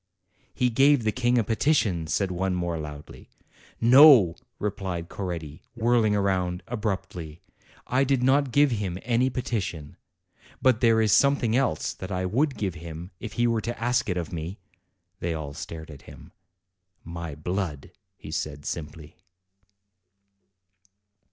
"He gave the King a petition," said one, more loudly. "No," replied Coretti, whirling round abruptly; T did not give him any petition. But there is some thing else that I would give him, if he were to ask it of me." They all stared at him. "My blood," he said simply.